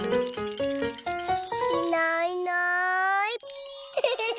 いないいない。